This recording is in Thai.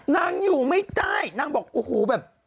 นางอยู่ไม่ได้นางบอกโอ้โหแบบ